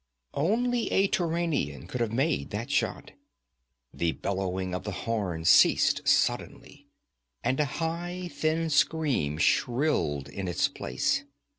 Only a Turanian could have made that shot. The bellowing of the horn ceased suddenly, and a high, thin scream shrilled in its place.